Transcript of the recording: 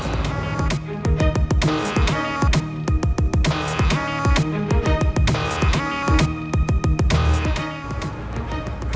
kau udah ngerti